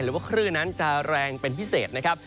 ว่าคลื่นนั้นจะแรงเป็นพิเศษนะครับ